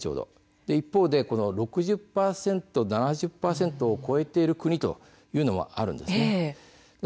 一方で６０％、７０％を超えている国というのもあるんです。